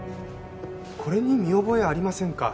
これに見覚えありませんか？